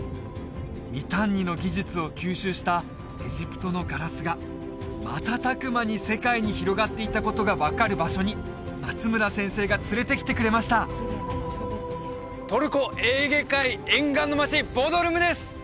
ミタンニの技術を吸収したエジプトのガラスが瞬く間に世界に広がっていったことが分かる場所に松村先生が連れてきてくれましたトルコエーゲ海沿岸の町ボドルムです！